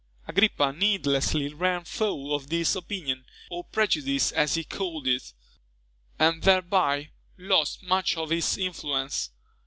Agrippa needlessly ran foul of this opinion, or prejudice as he called it, and thereby lost much of his influence.